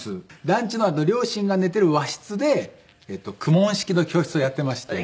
団地の両親が寝てる和室で公文式の教室をやってまして。